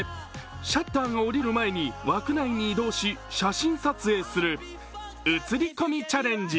シャッターが下りる前に枠内に移動し、写真撮影する「写り込みチャレンジ」。